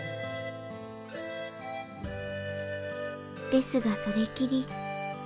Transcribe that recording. ですがそれきり。